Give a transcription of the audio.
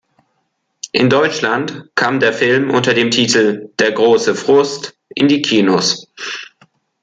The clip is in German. In Deutschland kam der Film unter dem Titel "Der große Frust" in die Kinos.